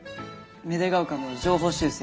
芽出ヶ丘の情報修正。